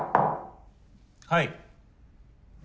はい。